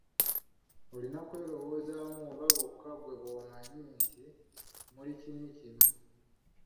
Olina kwerobozaamu abo bokka ggwe b'omanyi nti muli bakinywi kimu.